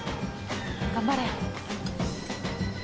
頑張れ。